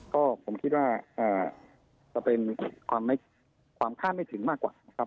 ก็ผมคิดว่าจะเป็นความคาดไม่ถึงมากกว่านะครับ